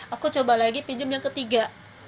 aku coba lagi pinjam yang ketiga